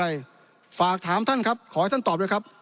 อะไรฝากถามท่านครับขอให้ท่านตอบด้วยครับ